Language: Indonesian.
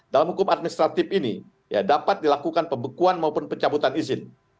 dalam hukum administratif ini dapat dilakukan pembekuan maupun pencabutan izin